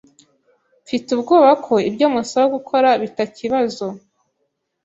Mfite ubwoba ko ibyo musaba gukora bitakibazo.